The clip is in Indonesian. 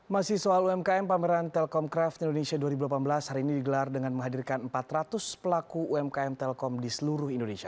masih soal umkm pameran telkom craft indonesia dua ribu delapan belas hari ini digelar dengan menghadirkan empat ratus pelaku umkm telkom di seluruh indonesia